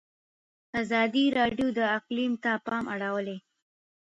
ازادي راډیو د اقلیم ته پام اړولی.